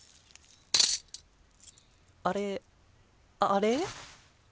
あれあれ？